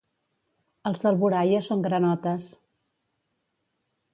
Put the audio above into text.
Els d'Alboraia són granotes.